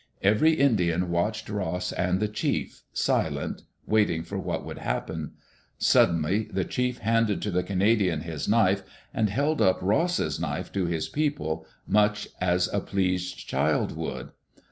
Every Indian watched Ross and the chief, silent, waiting for what would happen. Suddenly the chief handed to die Canadian his knife, and held up Ross's knife to his people, much as a pleased child would.